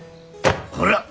ほら！